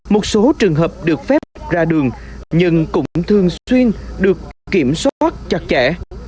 một số trường hợp được phép ra đường nhưng cũng thường xuyên được kiểm soát chặt chẽ